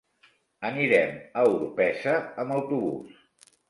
Anirem a Orpesa amb autobús.